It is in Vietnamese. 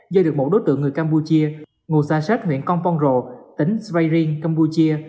do được một đối tượng người campuchia ngù xa xét huyện konponro tỉnh svayring campuchia